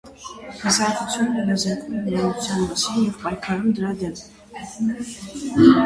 Հասարակությանն իրազեկում է հիվանդության մասին և պայքարում դրա դեմ։